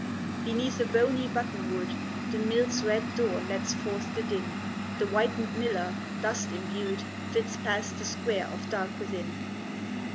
Beneath a bony buttonwood The mill's red door lets forth the din; The whitened miller, dust imbued, Flits past the square of dark within.